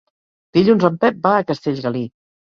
Dilluns en Pep va a Castellgalí.